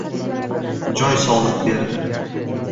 Joy solib berdi.